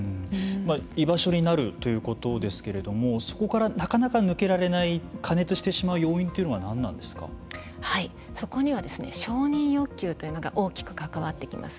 居場所になるということですけれどもそこからなかなか抜けられない過熱してしまう要因というのはそこには承認欲求というのが大きく関わってきます。